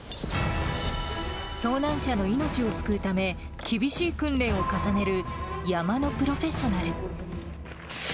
遭難者の命を救うため、厳しい訓練を重ねる山のプロフェッショナル。